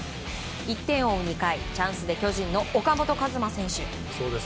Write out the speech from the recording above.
１点を追う２回チャンスで巨人の岡本和真選手。